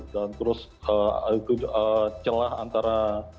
dan terus eee itu eee celah antara